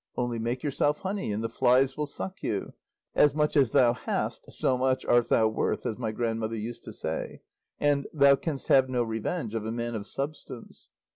'Only make yourself honey and the flies will suck you;' 'as much as thou hast so much art thou worth,' as my grandmother used to say; and 'thou canst have no revenge of a man of substance.